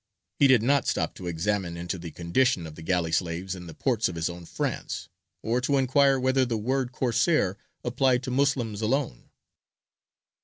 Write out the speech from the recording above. He did not stop to examine into the condition of the galley slaves in the ports of his own France, or to inquire whether the word Corsair applied to Moslems alone.